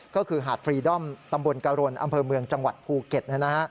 ก็คือหาดฟรีดอมตำบลกรณอำเภอเมืองจังหวัดภูเก็ต